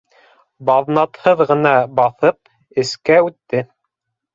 Баҙнатһыҙ ғына баҫып, эскә үтте.